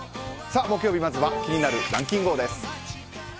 木曜日、まずは気になるランキンＧＯ！です。